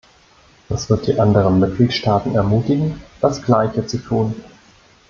Das wird die anderen Mitgliedstaaten ermutigen, das Gleiche zu tun.